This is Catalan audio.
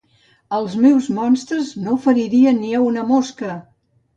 Els meus monstres no feririen ni a una mosca!